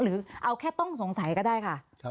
หรือเอาแค่ต้องสงสัยก็ได้ค่ะ